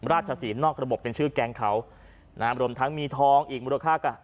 ราชศีลนอกระบบเป็นชื่อแก๊งเขานะฮะรวมทั้งมีทองอีกมูลค่าก็